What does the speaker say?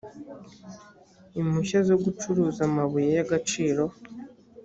impushya zo gucuruza amabuye y agaciro